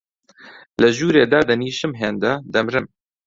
لە ژوورێ دادەنیشم هێندە، دەمرم